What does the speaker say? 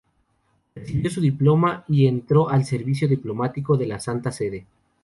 Recibió su diploma y entró al servicio diplomático de la Santa Sede.